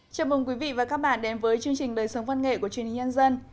chào mừng quý vị và các bạn đến với chương trình đời sống văn nghệ của truyền hình nhân dân